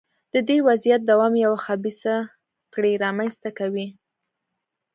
د دې وضعیت دوام یوه خبیثه کړۍ رامنځته کوي.